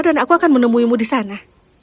dan aku akan menemuimu di sana